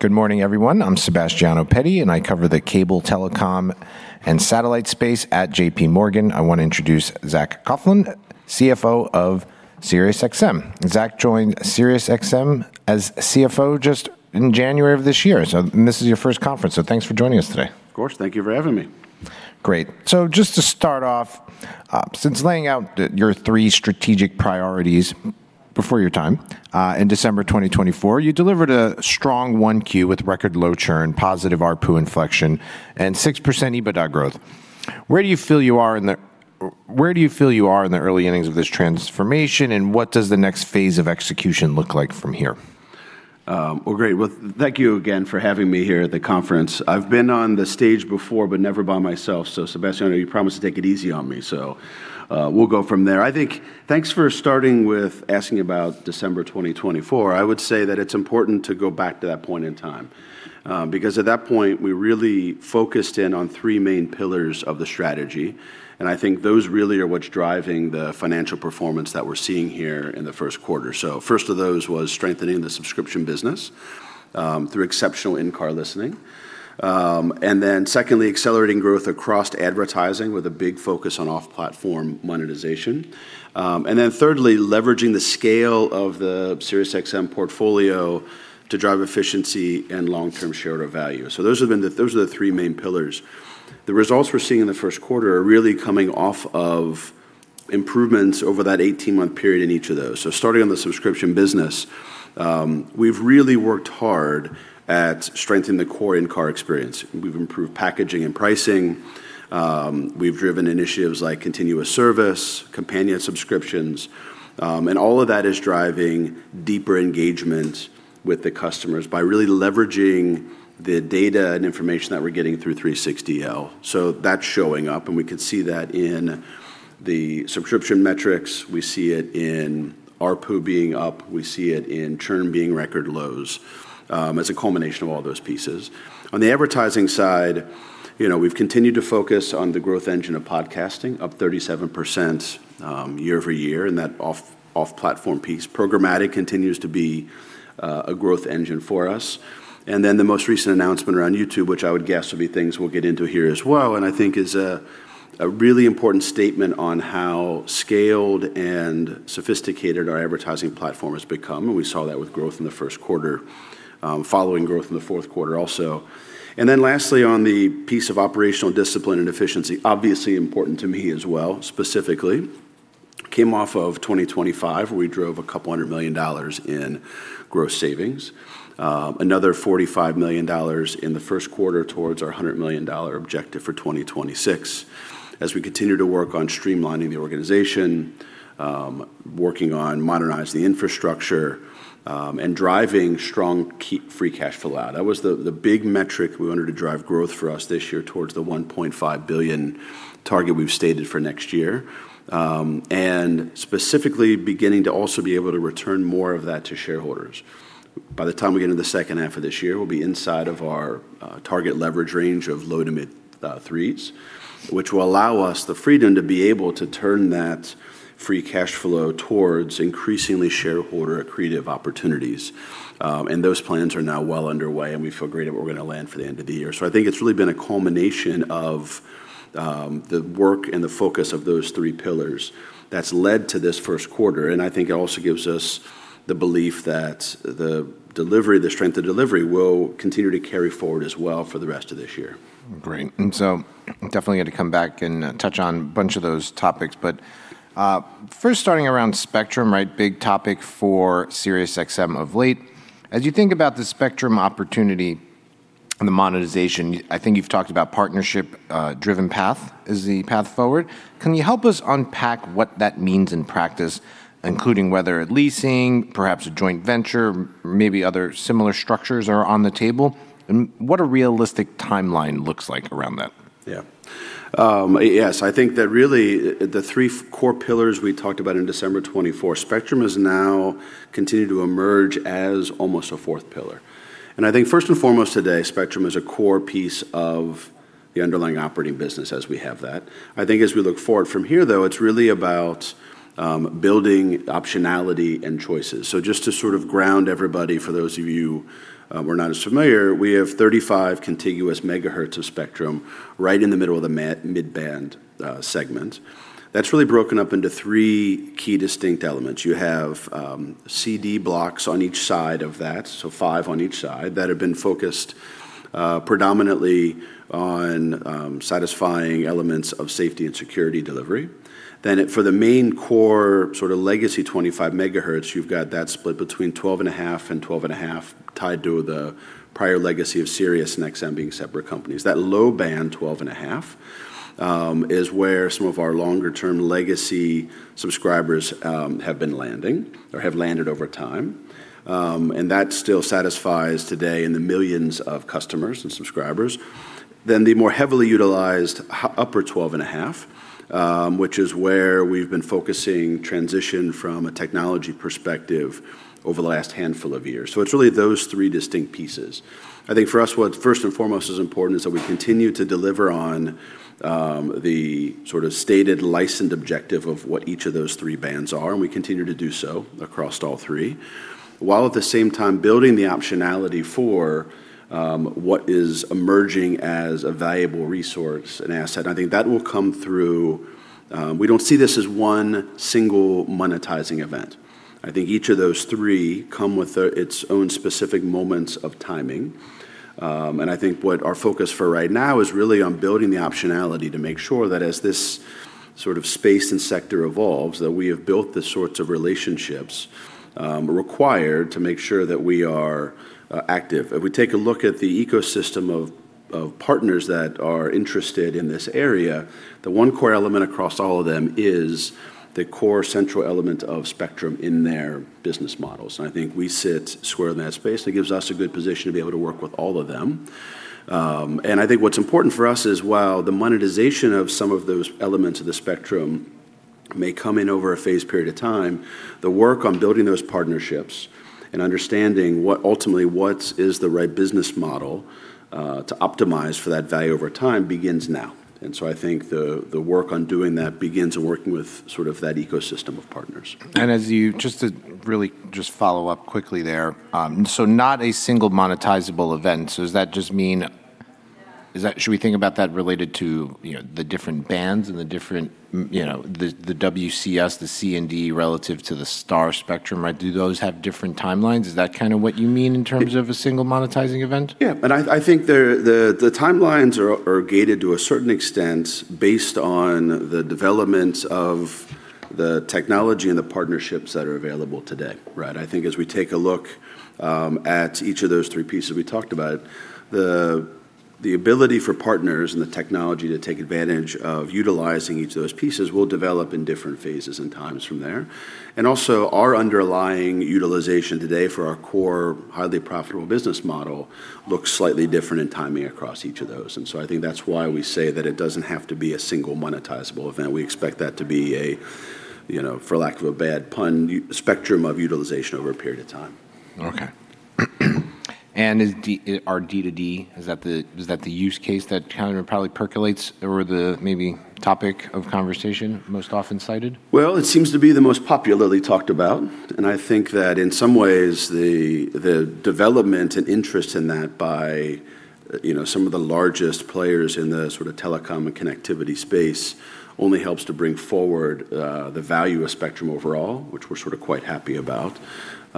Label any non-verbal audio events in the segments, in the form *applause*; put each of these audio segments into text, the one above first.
Good morning, everyone. I'm Sebastiano Petti, and I cover the cable telecom and satellite space at JPMorgan. I want to introduce Zac Coughlin, CFO of SiriusXM. Zac joined SiriusXM as CFO just in January of this year. This is your first conference. Thanks for joining us today. Of course. Thank you for having me. Great. Just to start off, since laying out your three strategic priorities before your time, in December 2024, you delivered a strong 1Q with record low churn, positive ARPU inflection, and 6% EBITDA growth. Where do you feel you are in the early innings of this transformation, and what does the next phase of execution look like from here? Great. Thank you again for having me here at the conference. I've been on the stage before, but never by myself. Sebastiano, you promised to take it easy on me. We'll go from there. I think, thanks for starting with asking about December 2024. I would say that it's important to go back to that point in time, because at that point, we really focused in on three main pillars of the strategy, and I think those really are what's driving the financial performance that we're seeing here in the first quarter. The first of those was strengthening the subscription business, through exceptional in-car listening. Secondly, accelerating growth across advertising with a big focus on off-platform monetization. Thirdly, leveraging the scale of the SiriusXM portfolio to drive efficiency and long-term shareholder value. Those are the three main pillars. The results we're seeing in the first quarter are really coming off of improvements over that 18-month period in each of those. Starting on the subscription business, we've really worked hard at strengthening the core in-car experience. We've improved packaging and pricing. We've driven initiatives like continuous service, companion subscriptions, and all of that is driving deeper engagement with the customers by really leveraging the data and information that we're getting through 360L. That's showing up, and we could see that in the subscription metrics. We see it in ARPU being up. We see it in churn being record lows, as a culmination of all those pieces. On the advertising side, we've continued to focus on the growth engine of podcasting, up 37%, year-over-year in that off-platform piece. Programmatic continues to be a growth engine for us. The most recent announcement around YouTube, which I would guess will be things we'll get into here as well, and I think is a really important statement on how scaled and sophisticated our advertising platform has become, and we saw that with growth in the first quarter, following growth in the fourth quarter also. Lastly, on the piece of operational discipline and efficiency, obviously important to me as well, specifically. We came off of 2025, where we drove a couple hundred million dollars in gross savings. Another $45 million in the first quarter towards our $100 million objective for 2026. As we continue to work on streamlining the organization, working on modernizing the infrastructure, and driving strong free cash flow out. That was the big metric we wanted to drive growth for us this year towards the $1.5 billion target we've stated for next year. Specifically beginning to also be able to return more of that to shareholders. By the time we get into the second half of this year, we'll be inside of our target leverage range of low to mid threes, which will allow us the freedom to be able to turn that free cash flow towards increasingly shareholder accretive opportunities. Those plans are now well underway, and we feel great that we're going to land for the end of the year. I think it's really been a culmination of the work and the focus of those three pillars that's led to this first quarter. I think it also gives us the belief that the strength of delivery will continue to carry forward as well for the rest of this year. Great. Definitely going to come back and touch on a bunch of those topics. First starting around spectrum, right? Big topic for SiriusXM of late. As you think about the spectrum opportunity and the monetization, I think you've talked about partnership driven path as the path forward. Can you help us unpack what that means in practice, including whether leasing, perhaps a joint venture, maybe other similar structures are on the table, and what a realistic timeline looks like around that? Yeah. Yes, I think that really the three core pillars we talked about in December 2024, spectrum has now continued to emerge as almost a fourth pillar. I think first and foremost today, spectrum is a core piece of the underlying operating business as we have that. I think as we look forward from here, though, it's really about building optionality and choices. Just to sort of ground everybody, for those of you who are not as familiar, we have 35 contiguous megahertz of spectrum, right in the middle of the mid-band segment. That's really broken up into three key distinct elements. You have CD blocks on each side of that, so five on each side, that have been focused predominantly on satisfying elements of safety and security delivery. For the main core legacy 25 MHz, you've got that split between 12.5 MHz and 12.5 MHz tied to the prior legacy of Sirius and XM being separate companies. That low band 12.5 MHz is where some of our longer-term legacy subscribers have been landing or have landed over time. That still satisfies today in the millions of customers and subscribers. The more heavily utilized upper 12.5 MHz, which is where we've been focusing transition from a technology perspective over the last handful of years. It's really those three distinct pieces. I think for us, what first and foremost is important is that we continue to deliver on the stated licensed objective of what each of those three bands are, and we continue to do so across all three, while at the same time building the optionality for what is emerging as a valuable resource and asset. I think that will come through. We don't see this as one single monetizing event. I think each of those three come with its own specific moments of timing. I think what our focus for right now is really on building the optionality to make sure that as this space and sector evolves, that we have built the sorts of relationships required to make sure that we are active. If we take a look at the ecosystem of partners that are interested in this area, the one core element across all of them is the core central element of spectrum in their business models, and I think we sit square in that space, and it gives us a good position to be able to work with all of them. I think what's important for us is while the monetization of some of those elements of the spectrum may come in over a phase period of time, the work on building those partnerships and understanding what ultimately what is the right business model, to optimize for that value over time begins now. I think the work on doing that begins working with that ecosystem of partners. Just to really just follow up quickly there. Not a single monetizable event. Should we think about that related to the different bands and the different, the WCS, the C and D relative to the TerreStar spectrum? Do those have different timelines? Is that kind of what you mean in terms of a single monetizing event? Yeah. I think the timelines are gated to a certain extent based on the development of the technology and the partnerships that are available today. I think as we take a look at each of those three pieces we talked about, the ability for partners and the technology to take advantage of utilizing each of those pieces will develop in different phases and times from there. Also, our underlying utilization today for our core, highly profitable business model looks slightly different in timing across each of those. I think that's why we say that it doesn't have to be a single monetizable event. We expect that to be a, for lack of a bad pun, spectrum of utilization over a period of time. Okay. Our D2D, is that the use case that kind of probably percolates or the maybe topic of conversation most often cited? Well, it seems to be the most popularly talked about, and I think that in some ways, the development and interest in that by some of the largest players in the telecom and connectivity space only helps to bring forward the value of Spectrum overall, which we're sort of quite happy about.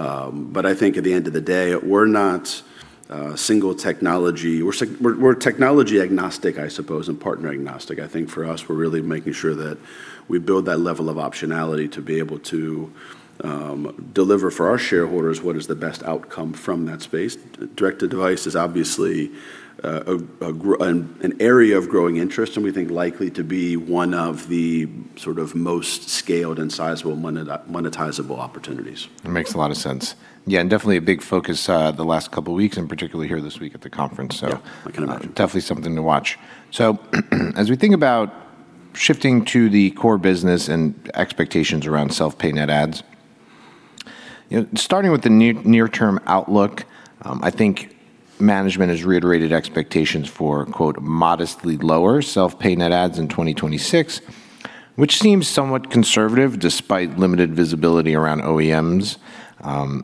I think at the end of the day, we're not a single technology. We're technology agnostic, I suppose, and partner agnostic. I think for us, we're really making sure that we build that level of optionality to be able to deliver for our shareholders what is the best outcome from that space. Direct-to-device is obviously an area of growing interest, and we think likely to be one of the most scaled and sizable monetizable opportunities. That makes a lot of sense. Yeah, definitely a big focus the last couple of weeks and particularly here this week at the conference. Yeah. Definitely something to watch. As we think about shifting to the core business and expectations around self-pay net adds, starting with the near-term outlook, I think management has reiterated expectations for, quote, "modestly lower" self-pay net adds in 2026, which seems somewhat conservative despite limited visibility around OEMs,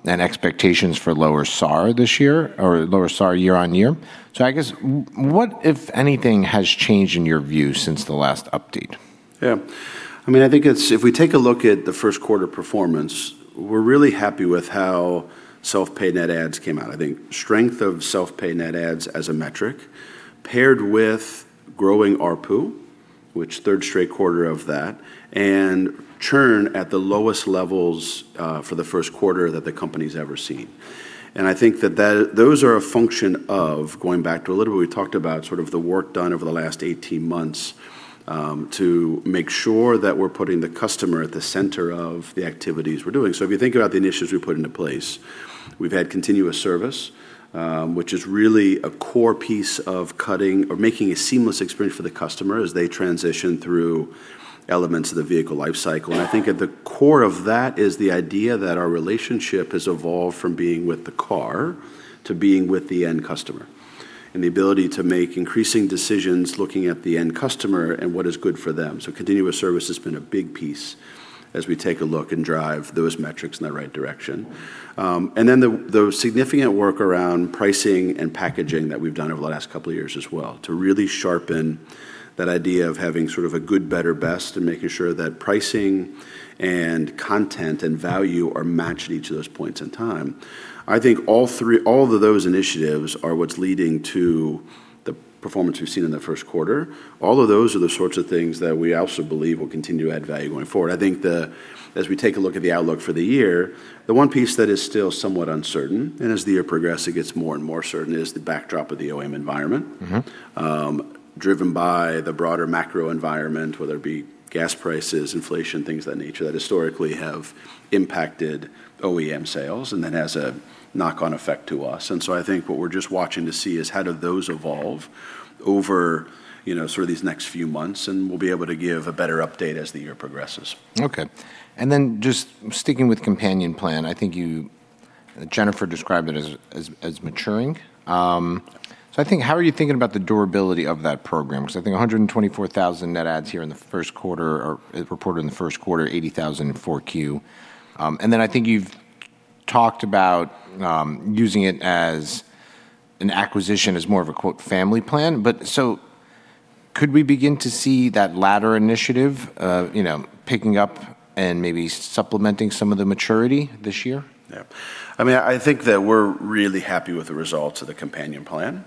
and expectations for lower SAR this year or lower SAR year-on-year. I guess, what, if anything, has changed in your view since the last update? I think if we take a look at the first quarter performance, we're really happy with how self-pay net adds came out. I think strength of self-pay net adds as a metric paired with growing ARPU, which third straight quarter of that, and churn at the lowest levels, for the first quarter that the company's ever seen. I think that those are a function of going back to a little bit we talked about, sort of the work done over the last 18 months, to make sure that we're putting the customer at the center of the activities we're doing. If you think about the initiatives we put into place, we've had continuous service, which is really a core piece of cutting or making a seamless experience for the customer as they transition through elements of the vehicle life cycle. I think at the core of that is the idea that our relationship has evolved from being with the car to being with the end customer, and the ability to make increasing decisions looking at the end customer and what is good for them. Continuous service has been a big piece as we take a look and drive those metrics in the right direction. Then the significant work around pricing and packaging that we've done over the last couple of years as well to really sharpen that idea of having sort of a good, better, best and making sure that pricing and content and value are matched at each of those points in time. I think all of those initiatives are what's leading to the performance we've seen in the first quarter. All of those are the sorts of things that we also believe will continue to add value going forward. I think as we take a look at the outlook for the year, the one piece that is still somewhat uncertain, and as the year progresses, gets more and more certain, is the backdrop of the OEM environment. Driven by the broader macro environment, whether it be gas prices, inflation, things of that nature that historically have impacted OEM sales and then has a knock-on effect to us. I think what we're just watching to see is how do those evolve over these next few months, and we'll be able to give a better update as the year progresses. Just sticking with Companion Plan, I think Jennifer described it as maturing. How are you thinking about the durability of that program? I think 124,000 net adds here in the first quarter, or reported in the first quarter, 80,000 in 4Q. I think you've talked about using it as an acquisition, as more of a "family plan." Could we begin to see that latter initiative picking up and maybe supplementing some of the maturity this year? Yeah. I think that we're really happy with the results of the Companion Plan.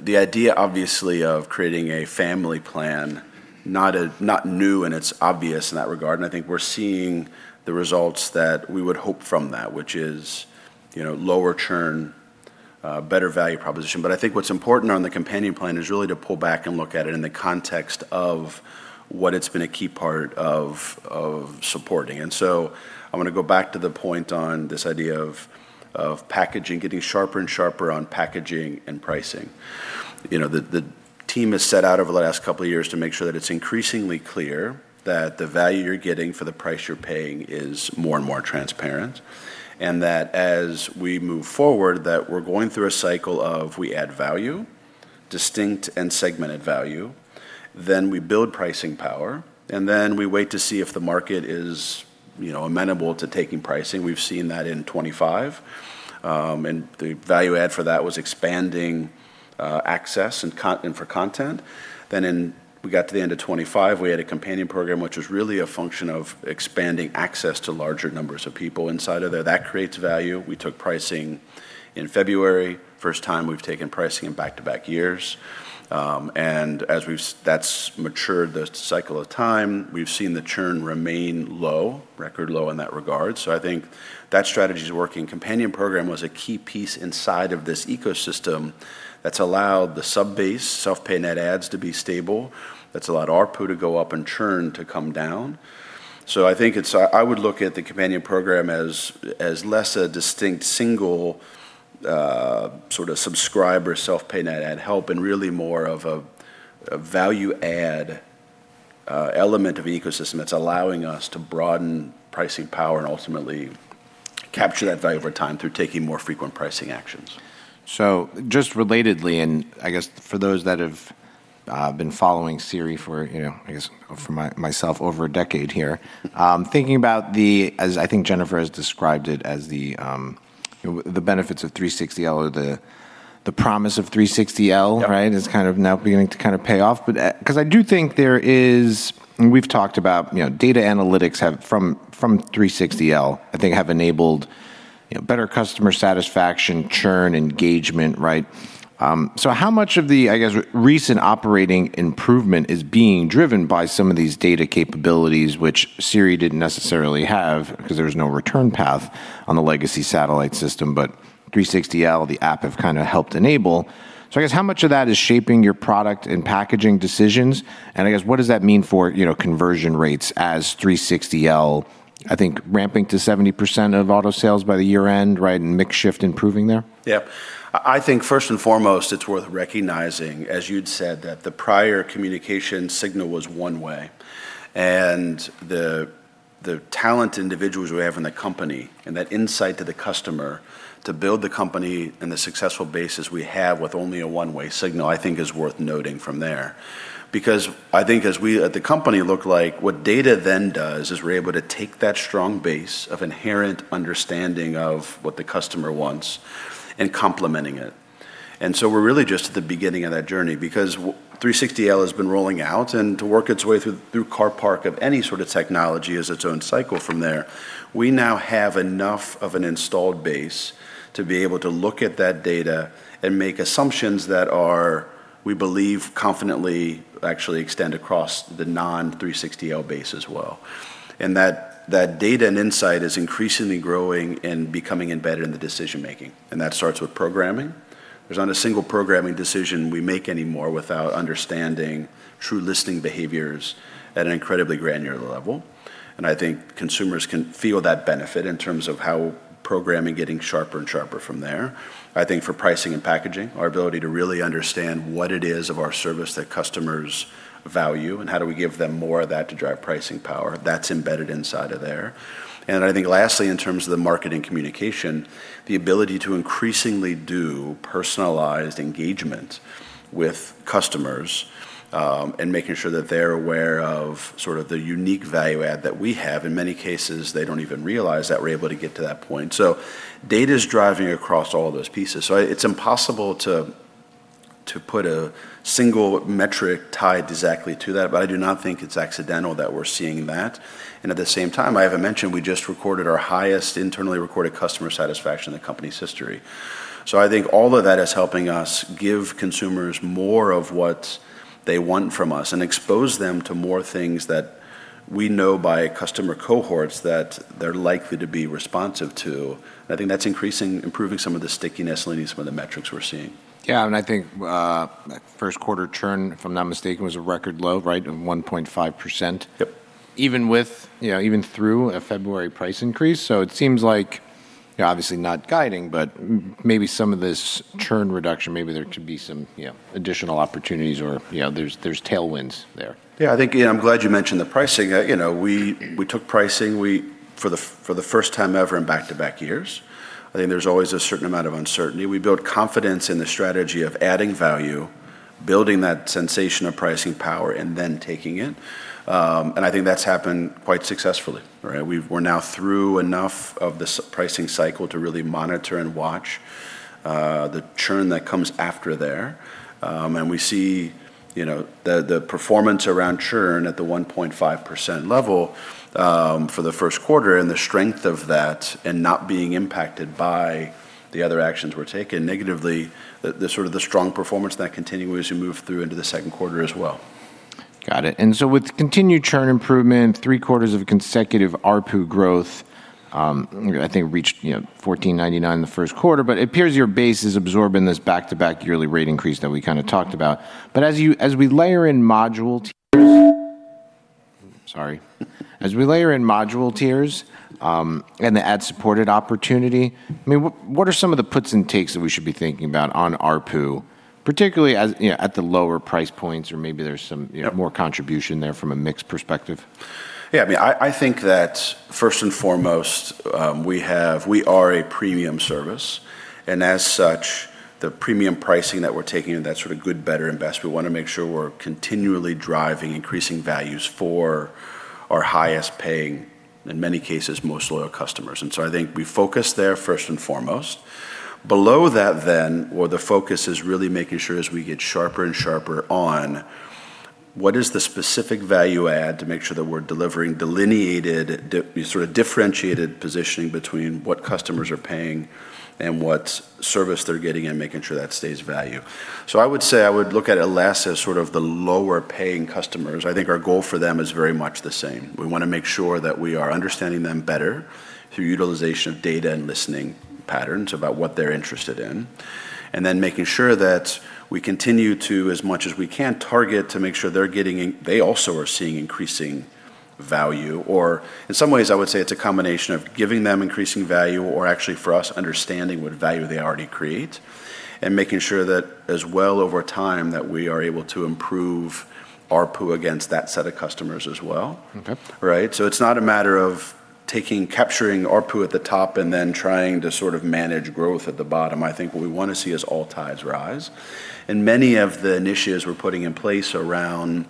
The idea obviously of creating a family plan, not new and it's obvious in that regard, and I think we're seeing the results that we would hope from that, which is lower churn, better value proposition. I think what's important on the Companion Plan is really to pull back and look at it in the context of what it's been a key part of supporting. I'm going to go back to the point on this idea of getting sharper and sharper on packaging and pricing. The team has set out over the last couple of years to make sure that it's increasingly clear that the value you're getting for the price you're paying is more and more transparent. That as we move forward, that we're going through a cycle of we add value, distinct and segmented value, then we build pricing power. Then we wait to see if the market is amenable to taking pricing. We've seen that in 2025. The value add for that was expanding access and for content. Then we got to the end of 2025, we had a Companion Plan which was really a function of expanding access to larger numbers of people inside of there. That creates value. We took pricing in February; first time we've taken pricing in back-to-back years. As that's matured the cycle of time, we've seen the churn remain low, record low in that regard. I think that strategy is working. Companion Plan was a key piece inside of this ecosystem that's allowed the sub-base self-pay net adds to be stable. That's allowed ARPU to go up and churn to come down. I would look at the Companion program as less a distinct single subscriber self-pay net add help, and really more of a value-add element of ecosystem that's allowing us to broaden pricing power and ultimately capture that value over time through taking more frequent pricing actions. Just relatedly, and I guess for those that have been following SIRI for, I guess for myself, over a decade here. Thinking about the, as I think Jennifer has described it, as the benefits of 360L or the promise of 360L. Yep. Is now beginning to pay off. I do think there is, and we've talked about data analytics from 360L, I think have enabled better customer satisfaction, churn engagement. How much of the, I guess, recent operating improvement is being driven by some of these data capabilities which SIRI didn't necessarily have because there was no return path on the legacy satellite system. 360L, the app have helped enable. I guess how much of that is shaping your product and packaging decisions? I guess what does that mean for conversion rates as 360L, I think ramping to 70% of auto sales by the year end and mix shift improving there? Yeah. I think first and foremost, it's worth recognizing, as you'd said, that the prior communication signal was one way. The talent individuals we have in the company and that insight to the customer to build the company and the successful bases we have with only a one-way signal, I think is worth noting from there. I think as we at the company look like, what data then does is we're able to take that strong base of inherent understanding of what the customer wants and complementing it. We're really just at the beginning of that journey because 360L has been rolling out and to work its way through car parc of any sort of technology is its own cycle from there. We now have enough of an installed base to be able to look at that data and make assumptions that we believe confidently actually extend across the non-360L base as well. That data and insight is increasingly growing and becoming embedded in the decision making. That starts with programming. There's not a single programming decision we make anymore without understanding true listening behaviors at an incredibly granular level. I think consumers can feel that benefit in terms of how programming getting sharper and sharper from there. I think for pricing and packaging, our ability to really understand what it is of our service that customers value and how do we give them more of that to drive pricing power. That's embedded inside of there. I think lastly, in terms of the marketing communication, the ability to increasingly do personalized engagement with customers, and making sure that they're aware of the unique value add that we have. In many cases, they don't even realize that we're able to get to that point. Data's driving across all of those pieces. It's impossible to put a single metric tied exactly to that, but I do not think it's accidental that we're seeing that. At the same time, I haven't mentioned, we just recorded our highest internally recorded customer satisfaction in the company's history. I think all of that is helping us give consumers more of what they want from us and expose them to more things that we know by customer cohorts that they're likely to be responsive to. I think that's increasing, improving some of the stickiness leading some of the metrics we're seeing. Yeah, I think first quarter churn, if I'm not mistaken, was a record low of 1.5%. Yep. Even through a February price increase. It seems like you're obviously not guiding, but maybe some of this churn reduction, maybe there could be some additional opportunities or there's tailwinds there. Yeah. I'm glad you mentioned the pricing. We took pricing for the first time ever in back-to-back years. I think there's always a certain amount of uncertainty. We built confidence in the strategy of adding value, building that sensation of pricing power, and then taking it. I think that's happened quite successfully. Right? We're now through enough of this pricing cycle to really monitor and watch the churn that comes after there. We see the performance around churn at the 1.5% level for the first quarter and the strength of that and not being impacted by the other actions were taken negatively, the strong performance of that continuing as we move through into the second quarter as well. Got it. With continued churn improvement, three quarters of consecutive ARPU growth, I think it reached $14.99 in the first quarter, but it appears your base is absorbing this back-to-back yearly rate increase that we talked about. As we layer in module tiers and the ad-supported opportunity, what are some of the puts and takes that we should be thinking about on ARPU, particularly at the lower price points? Yeah. More contribution there from a mix perspective. I think that first and foremost, we are a premium service. As such, the premium pricing that we're taking in, that good, better, and best, we want to make sure we're continually driving increasing values for our highest paying, in many cases, most loyal customers. I think we focus there first and foremost. Below that, the focus is really making sure as we get sharper and sharper on what is the specific value add to make sure that we're delivering delineated, differentiated positioning between what customers are paying and what service they're getting and making sure that stays value. I would say I would look at a la carte as sort of the lower paying customers. I think our goal for them is very much the same. We want to make sure that we are understanding them better through utilization of data and listening patterns about what they're interested in. Then making sure that we continue to, as much as we can, target to make sure they also are seeing increasing value. In some ways, I would say it's a combination of giving them increasing value or actually for us, understanding what value they already create, and making sure that as well over time, that we are able to improve ARPU against that set of customers as well. Okay. Right. It's not a matter of capturing ARPU at the top and then trying to manage growth at the bottom. I think what we want to see is all tides rise, and many of the initiatives we're putting in place around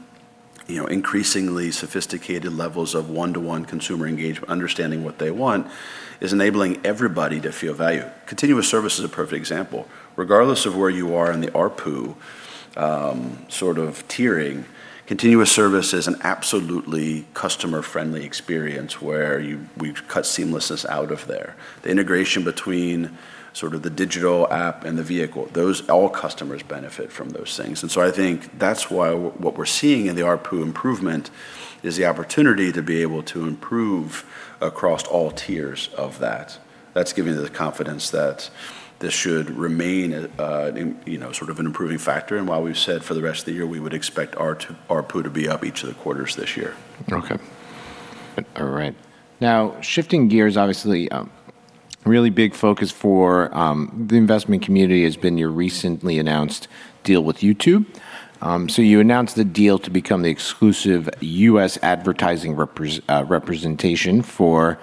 increasingly sophisticated levels of one-to-one consumer engagement, understanding what they want, is enabling everybody to feel value. Continuous Service is a perfect example. Regardless of where you are in the ARPU tiering, Continuous Service is an absolutely customer-friendly experience where we've cut seamlessness out of there. The integration between the digital app and the vehicle, all customers benefit from those things. I think that's why what we're seeing in the ARPU improvement is the opportunity to be able to improve across all tiers of that. That's giving the confidence that this should remain an improving factor. While we've said for the rest of the year, we would expect ARPU to be up each of the quarters this year. Okay. All right. Shifting gears, obviously, a really big focus for the investment community has been your recently announced deal with YouTube. You announced the deal to become the exclusive U.S. advertising representation for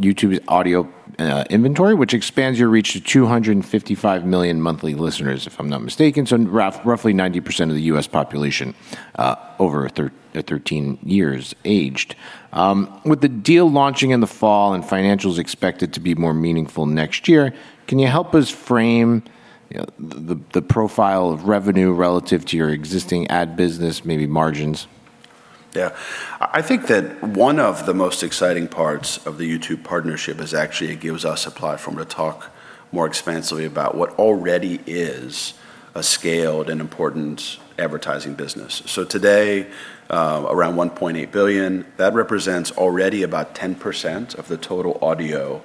YouTube's audio inventory, which expands your reach to 255 million monthly listeners, if I'm not mistaken. Roughly 90% of the U.S. population, over 13 years aged. With the deal launching in the fall and financials expected to be more meaningful next year, can you help us frame the profile of revenue relative to your existing ad business, maybe margins? I think that one of the most exciting parts of the YouTube partnership is actually it gives us a platform to talk more expansively about what already is a scaled and important advertising business. Today, around $1.8 billion. That represents already about 10% of the total audio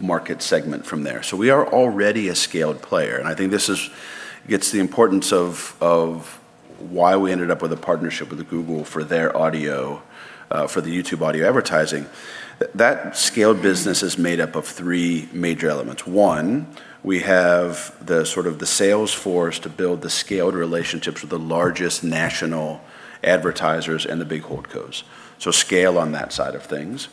market segment from there. We are already a scaled player, and I think this gets the importance of why we ended up with a partnership with Google for the YouTube audio advertising. That scaled business is made up of three major elements. One, we have the sales force to build the scaled relationships with the largest national advertisers and the big holdcos. Scale on that side of things.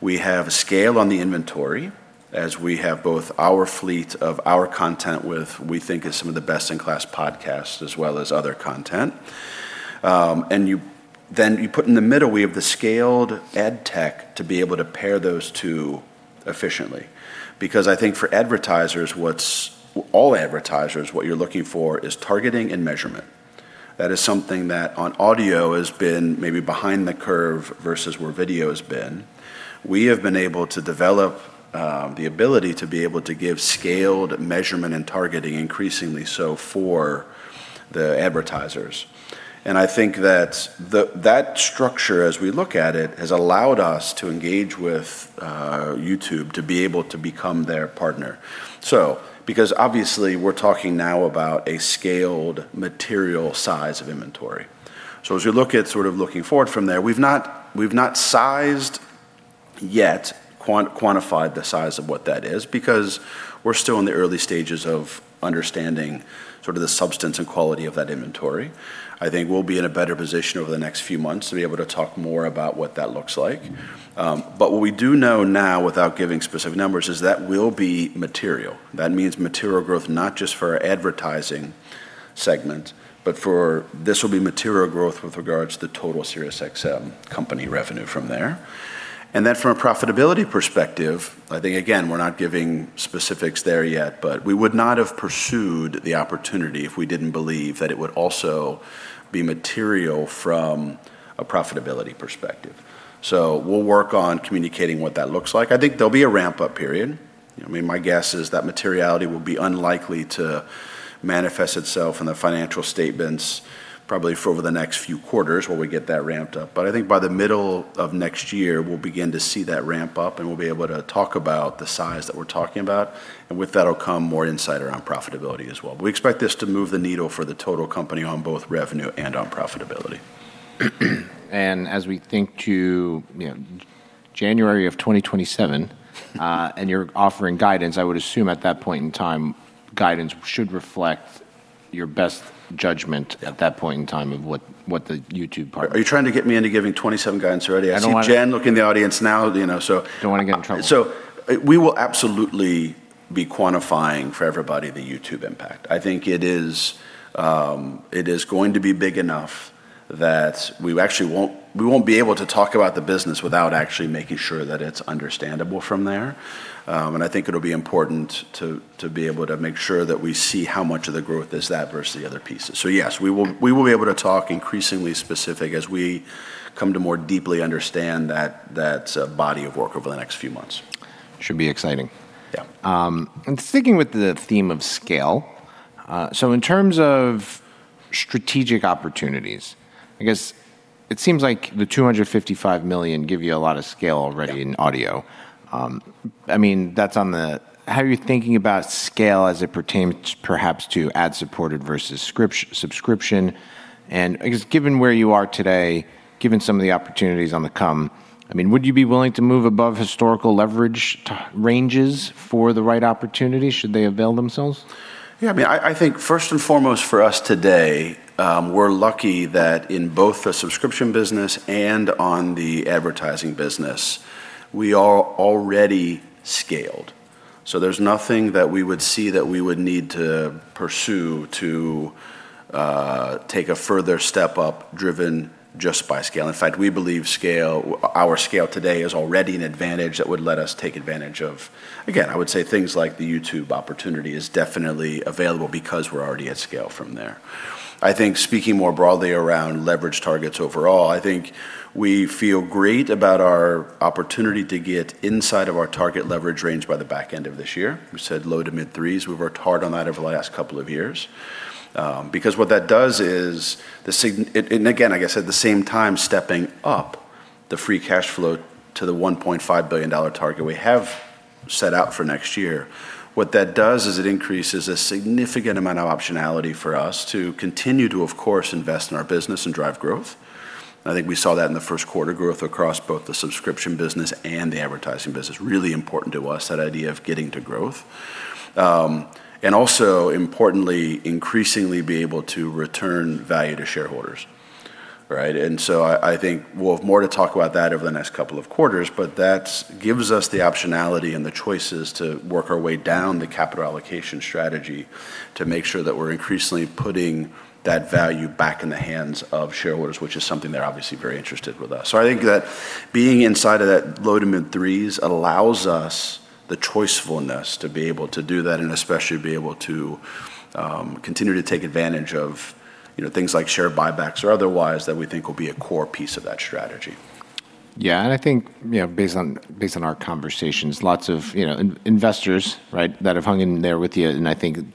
We have scale on the inventory, as we have both our fleet of our content with, we think is some of the best-in-class podcasts as well as other content. You put in the middle, we have the scaled ad tech to be able to pair those two efficiently. I think for all advertisers, what you're looking for is targeting and measurement. That is something that on audio has been maybe behind the curve versus where video's been. We have been able to develop the ability to be able to give scaled measurement and targeting increasingly so for the advertisers. I think that that structure, as we look at it, has allowed us to engage with YouTube to be able to become their partner. Obviously, we're talking now about a scaled material size of inventory. As you look at looking forward from there, we've not sized yet quantified the size of what that is, because we're still in the early stages of understanding the substance and quality of that inventory. I think we'll be in a better position over the next few months to be able to talk more about what that looks like. What we do know now, without giving specific numbers, is that will be material. That means material growth, not just for our advertising segment, but this will be material growth with regards to total SiriusXM company revenue from there. From a profitability perspective, I think, again, we're not giving specifics there yet, but we would not have pursued the opportunity if we didn't believe that it would also be material from a profitability perspective. We'll work on communicating what that looks like. I think there'll be a ramp-up period. My guess is that materiality will be unlikely to manifest itself in the financial statements probably for over the next few quarters where we get that ramped up. I think by the middle of next year, we'll begin to see that ramp up and we'll be able to talk about the size that we're talking about, and with that'll come more insight around profitability as well. We expect this to move the needle for the total company on both revenue and on profitability. As we think to January of 2027 and you're offering guidance, I would assume at that point in time, guidance should reflect your best judgment at that point in time of what the YouTube. Are you trying to get me into giving 2027 guidance already? I don't want *crosstalk* I see Jen look in the audience now. Don't want to get in trouble. We will absolutely be quantifying for everybody the YouTube impact. I think it is going to be big enough that we won't be able to talk about the business without actually making sure that it's understandable from there. I think it'll be important to be able to make sure that we see how much of the growth is that versus the other pieces. Yes, we will be able to talk increasingly specific as we come to more deeply understand that body of work over the next few months. Should be exciting. Yeah. Sticking with the theme of scale, in terms of strategic opportunities, I guess it seems like the $255 million give you a lot of scale already. Yeah. In audio. How are you thinking about scale as it pertains perhaps to ad-supported versus subscription? I guess, given where you are today, given some of the opportunities on the come, would you be willing to move above historical leverage ranges for the right opportunity should they avail themselves? Yeah. I think first and foremost for us today, we're lucky that in both the subscription business and on the advertising business, we are already scaled. There's nothing that we would see that we would need to pursue to take a further step up driven just by scale. In fact, we believe our scale today is already an advantage that would let us take advantage of, again, I would say things like the YouTube opportunity is definitely available because we're already at scale from there. I think speaking more broadly around leverage targets overall, I think we feel great about our opportunity to get inside of our target leverage range by the back end of this year. We've said low to mid threes. We've worked hard on that over the last couple of years. Again, I guess at the same time, stepping up the free cash flow to the $1.5 billion target we have set out for next year. What that does is it increases a significant amount of optionality for us to continue to, of course, invest in our business and drive growth. I think we saw that in the first quarter growth across both the subscription business and the advertising business. Really important to us, that idea of getting to growth. Also importantly, increasingly be able to return value to shareholders. Right? I think we'll have more to talk about that over the next couple of quarters. That gives us the optionality and the choices to work our way down the capital allocation strategy to make sure that we're increasingly putting that value back in the hands of shareholders, which is something they're obviously very interested with us. I think that being inside of that low to mid threes allows us the choicefulness to be able to do that, and especially be able to continue to take advantage of things like share buybacks or otherwise that we think will be a core piece of that strategy. Yeah. I think based on our conversations, lots of investors that have hung in there with you, and I think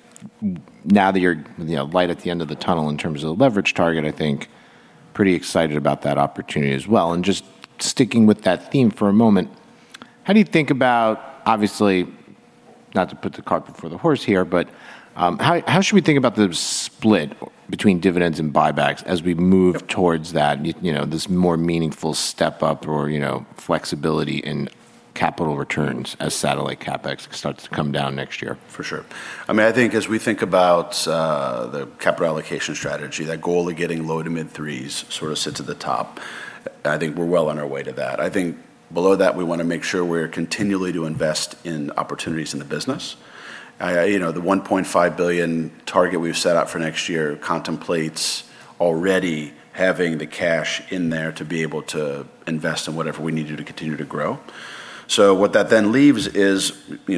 now that you're light at the end of the tunnel in terms of the leverage target, I think pretty excited about that opportunity as well. Just sticking with that theme for a moment, how do you think about, obviously, not to put the cart before the horse here, but how should we think about the split between dividends and buybacks as we move. Yep. Towards that, this more meaningful step up or flexibility in capital returns as satellite CapEx starts to come down next year? For sure. I think as we think about the capital allocation strategy, that goal of getting low to mid threes sort of sits at the top. I think we're well on our way to that. I think below that, we want to make sure we're continually to invest in opportunities in the business. The $1.5 billion target we've set out for next year contemplates already having the cash in there to be able to invest in whatever we need to continue to grow. What that then leaves is,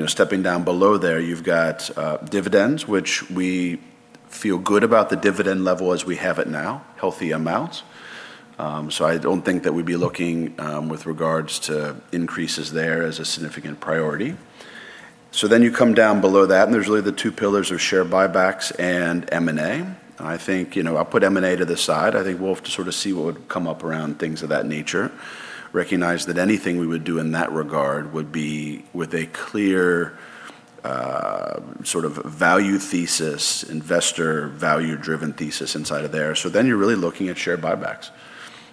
stepping down below there, you've got dividends, which we feel good about the dividend level as we have it now. Healthy amounts. I don't think that we'd be looking with regards to increases there as a significant priority. You come down below that, and there's really the two pillars of share buybacks and M&A. I'll put M&A to the side. I think we'll have to sort of see what would come up around things of that nature. Recognize that anything we would do in that regard would be with a clear sort of value thesis, investor value-driven thesis inside of there. You're really looking at share buybacks.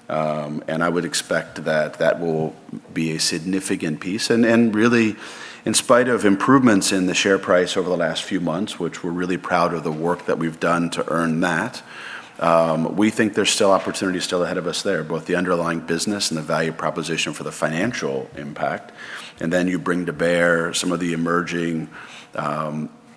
I would expect that that will be a significant piece. Really, in spite of improvements in the share price over the last few months, which we're really proud of the work that we've done to earn that, we think there's still opportunity still ahead of us there, both the underlying business and the value proposition for the financial impact. Then you bring to bear some of the emerging,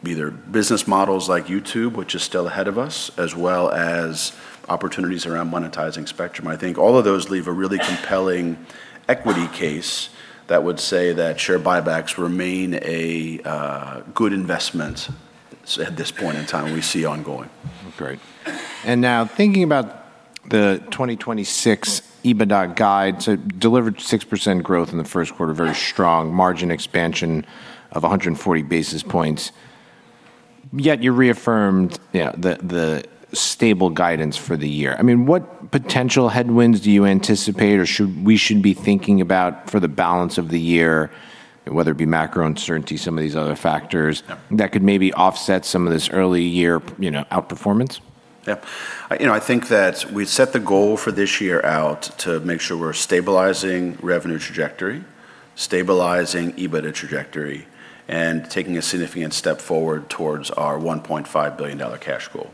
either business models like YouTube, which is still ahead of us, as well as opportunities around monetizing Spectrum. I think all of those leave a really compelling equity case that would say that share buybacks remain a good investment at this point in time. Great. Now thinking about the 2026 EBITDA guide, so delivered 6% growth in the first quarter, very strong margin expansion of 140 basis points. Yet you reaffirmed the stable guidance for the year. What potential headwinds do you anticipate or we should be thinking about for the balance of the year, whether it be macro uncertainty, some of these other factors that could maybe offset some of this early year outperformance? Yeah. I think that we set the goal for this year out to make sure we're stabilizing revenue trajectory, stabilizing EBITDA trajectory, and taking a significant step forward towards our $1.5 billion cash goal.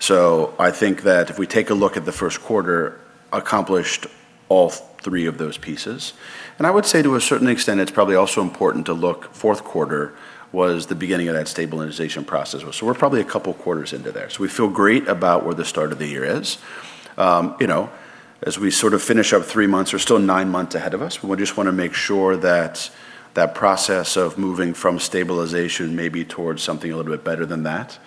I think that if we take a look at the first quarter, accomplished all three of those pieces. I would say to a certain extent, it's probably also important to look, fourth quarter was the beginning of that stabilization process. We're probably a couple quarters into there. We feel great about where the start of the year is. As we finish up three months, there's still nine months ahead of us. We just want to make sure that that process of moving from stabilization maybe towards something a little bit better than that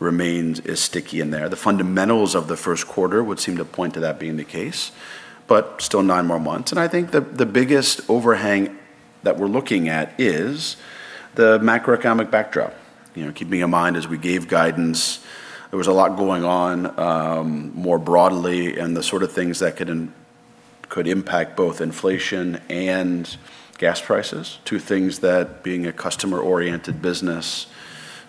remains sticky in there. The fundamentals of the first quarter would seem to point to that being the case, but still nine more months. I think the biggest overhang that we're looking at is the macroeconomic backdrop. Keeping in mind as we gave guidance, there was a lot going on more broadly and the sort of things that could impact both inflation and gas prices. Two things that being a customer-oriented business,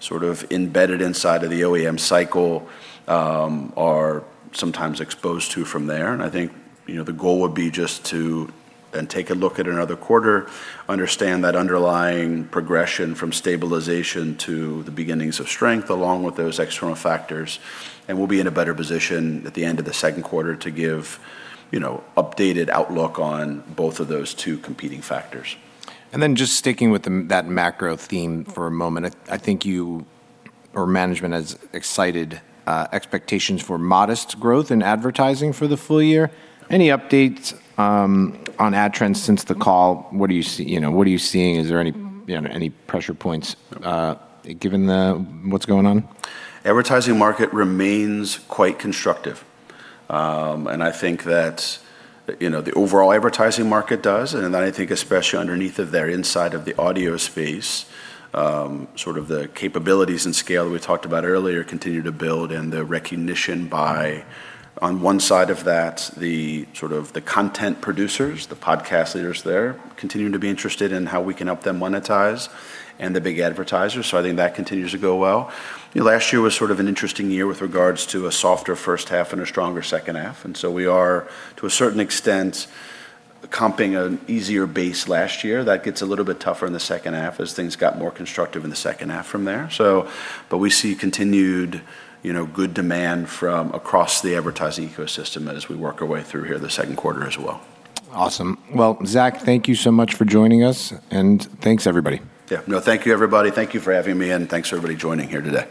sort of embedded inside of the OEM cycle, are sometimes exposed to from there. I think, the goal would be just to then take a look at another quarter, understand that underlying progression from stabilization to the beginnings of strength, along with those external factors. We'll be in a better position at the end of the second quarter to give updated outlook on both of those two competing factors. Just sticking with that macro theme for a moment. I think you or management has excited expectations for modest growth in advertising for the full year. Any updates on ad trends since the call? What are you seeing? Is there any pressure points given what's going on? Advertising market remains quite constructive. I think that the overall advertising market does, and then I think especially underneath of there inside of the audio space, sort of the capabilities and scale that we talked about earlier continue to build and the recognition by, on one side of that, the content producers, the podcast leaders there, continue to be interested in how we can help them monetize and the big advertisers. I think that continues to go well. Last year was sort of an interesting year with regards to a softer first half and a stronger second half. We are, to a certain extent, comping an easier base last year. That gets a little bit tougher in the second half as things got more constructive in the second half from there. We see continued good demand from across the advertising ecosystem as we work our way through here the second quarter as well. Awesome. Well, Zac, thank you so much for joining us, and thanks everybody. Yeah. Thank you, everybody. Thank you for having me, and thanks for everybody joining here today.